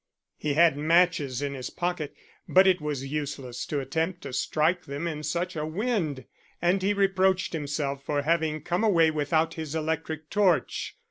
He had matches in his pocket, but it was useless to attempt to strike them in such a wind, and he reproached himself for having come away without his electric torch.